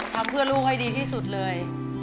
ทำเพื่อลูกให้ดีที่สุดเลย